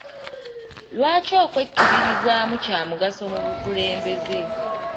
Lwaki okwekkiririzaamu kya mugaso mu bukulembeze?